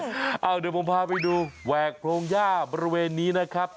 เดี๋ยวผมพาไปดูแหวกโพรงย่าบริเวณนี้นะครับ